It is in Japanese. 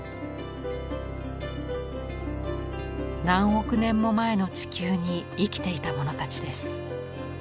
何億年も前の地球に生きていたものたちです。